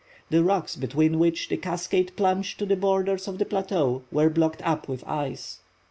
The rocks between which the cascade plunged to the borders of the Plateau were blocked up with ice.